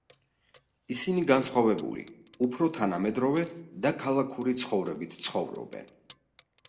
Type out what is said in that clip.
ისინი განსხვავებული, უფრო თანამედროვე და ქალაქური ცხოვრებით ცხოვრობენ.